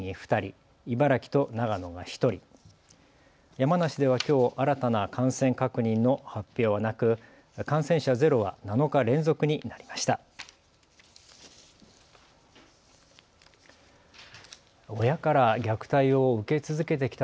山梨県ではきょう新たな感染確認の発表はなく感染者ゼロは７日連続になりました。